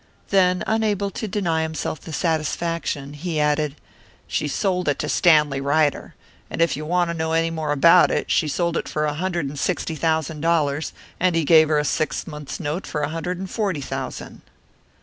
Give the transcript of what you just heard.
Then, unable to deny himself the satisfaction, he added, "She sold it to Stanley Ryder. And if you want to know any more about it, she sold it for a hundred and sixty thousand dollars, and he gave her a six months' note for a hundred and forty thousand."